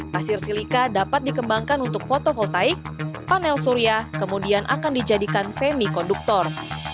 pasir silika dapat dikembangkan untuk foto holtaik panel surya kemudian akan dijadikan semi konduktor